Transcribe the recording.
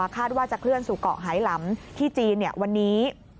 คาดว่าจะเคลื่อนสู่เกาะไฮลัมท์ที่จีนเนี่ยวันนี้